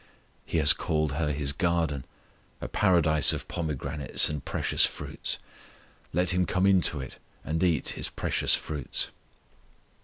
He has called her His garden, a paradise of pomegranates and precious fruits; let Him come into it and eat His precious fruits.